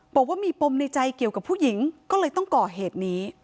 บอกว่ามีปมในใจเกี่ยวกับผู้หญิงก็เลยต้องก่อเหตุนี้